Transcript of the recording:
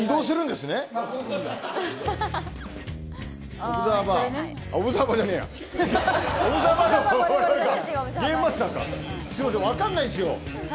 すみません分からないんですよ。